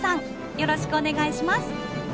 よろしくお願いします！